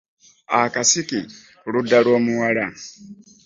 Akasiki ku ludda lw’omuwala.